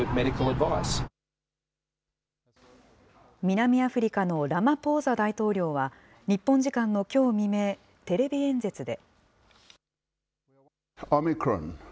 南アフリカのラマポーザ大統領は、日本時間のきょう未明、テレビ演説で。